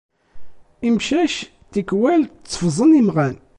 Imcac tikwal tteffẓen imɣan.